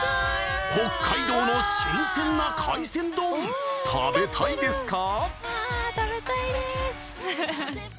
北海道の新鮮な海鮮丼食べたいですか？